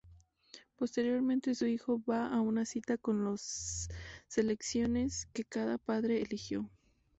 Posteriormente, su hijo va a una cita con los selecciones que cada padre eligió.